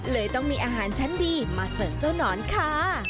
เลยต้องมีอาหารชั้นดีมาเสิร์ฟเจ้านอนค่ะ